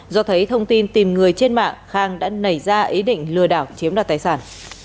do thấy thông tin tìm người trên mạng khang đã nảy ra ý định lừa đảo chiếm đoạt tài sản